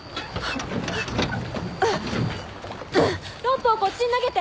ロープをこっちに投げて！